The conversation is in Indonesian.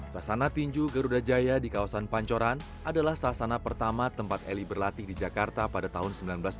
sasana tinju garuda jaya di kawasan pancoran adalah sasana pertama tempat eli berlatih di jakarta pada tahun seribu sembilan ratus tujuh puluh